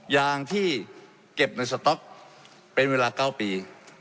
ยางที่เก็บในสต๊อกเป็นเวลา๙ปี